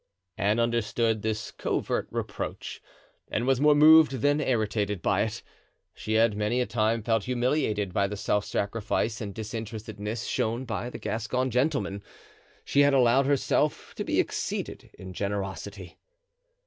Anne understood this covert reproach and was more moved than irritated by it. She had many a time felt humiliated by the self sacrifice and disinterestedness shown by the Gascon gentleman. She had allowed herself to be exceeded in generosity.